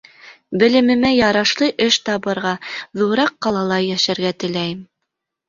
Белемемә ярашлы эш табырға, ҙурыраҡ ҡалала йәшәргә теләйем.